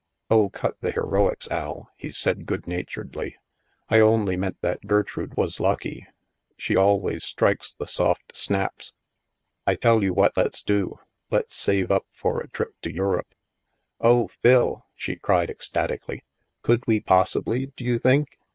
" Oh, cut the heroics, Al," he said good naturedly, "I only meant that Gertrude was lucky. She al ways strikes the soft snaps. I tell you what let's do. Let's save up for a trip to Europe." THE MAELSTROM 159 " Oh, Phil," she cried ecstatically, " could we pos sibly, do you think?